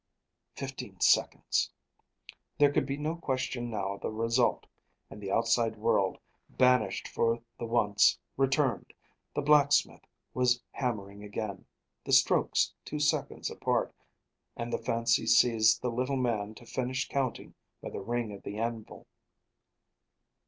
"Fifteen seconds." There could be no question now of the result; and the outside world, banished for the once, returned. The blacksmith was hammering again, the strokes two seconds apart, and the fancy seized the little man to finish counting by the ring of the anvil.